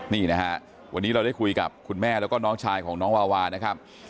นี่นะฮะวันนี้เราได้คุยกับคุณแม่แล้วก็น้องชายของน้องวาวานะครับ